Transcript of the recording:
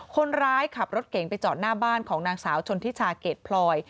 คนร้ายขับรถเก่งไปจอดหน้าบ้านของนางสาวชนทิชาเกรดพลอย